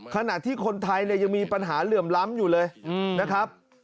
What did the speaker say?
ขณะที่คนไทยเนี่ยยังมีปัญหาเหลื่อมล้ำอยู่เลยนะครับ